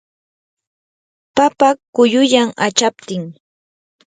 papa quyuyan achaptin.